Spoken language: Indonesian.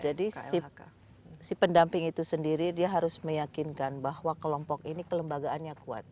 jadi si pendamping itu sendiri dia harus meyakinkan bahwa kelompok ini kelembagaannya kuat